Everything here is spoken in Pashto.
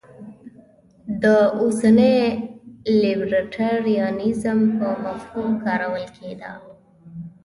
دا اوسني لیبرټریانیزم په مفهوم کارول کېده.